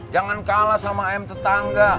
jangan kalah sama ayam tetangga